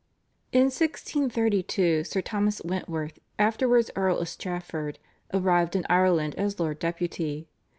In 1632 Sir Thomas Wentworth, afterwards Earl of Strafford, arrived in Ireland as Lord Deputy.